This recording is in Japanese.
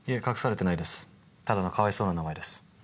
ただのかわいそうな名前です。